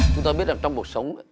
chúng ta biết là trong cuộc sống